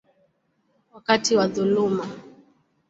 wakati wa dhuluma.